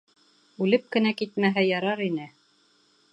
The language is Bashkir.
Үлеп кенә китмәһә ярар ине.